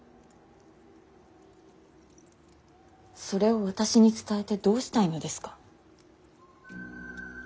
それを私に伝えてどうしたいのですか。